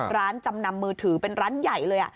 จำนำมือถือเป็นร้านใหญ่เลย